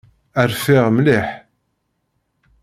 Rfiɣ mliḥ.